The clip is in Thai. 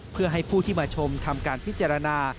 เพื่อให้ผู้ที่มาชมทำการพิจารณา